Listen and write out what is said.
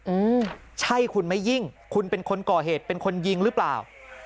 อืมใช่คุณไม่ยิ่งคุณเป็นคนก่อเหตุเป็นคนยิงหรือเปล่า